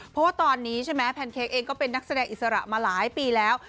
เพราะว่าตอนนี้ใช่ไหมแพนเค้กเองก็เป็นนักแสดงอิสระมาหลายปีแล้ว